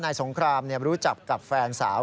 นายสงครามเนี่ยรู้จักกับแฟนสาว